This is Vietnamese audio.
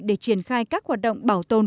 để triển khai các hoạt động bảo tồn